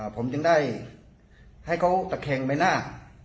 ผมจึงได้ให้เขาตะแคงใบหน้า